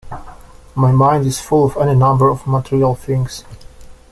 My mind is full of any number of material things.